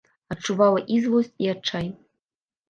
Адчувала і злосць, і адчай.